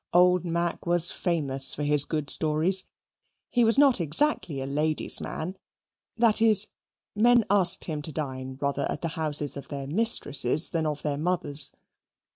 Old Mac was famous for his good stories. He was not exactly a lady's man; that is, men asked him to dine rather at the houses of their mistresses than of their mothers.